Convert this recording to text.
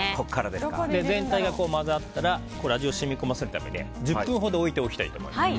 全体が混ざったら味を染み込ませるために１０分ほど置いておきたいと思います。